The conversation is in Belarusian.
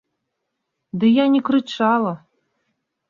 Ды я не крычала.